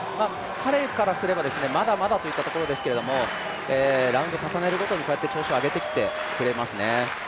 彼からすれば、まだまだといったところですけれどもラウンド重ねるごとにこうやって調子を上げてきてくれますね。